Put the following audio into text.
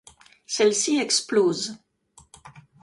Celles-ci explosent.